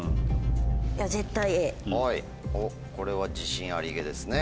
これは自信ありげですね。